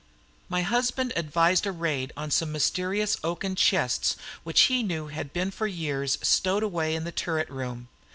My husband advised a raid on some mysterious oaken chests which he knew had been for years stowed away in a turret room.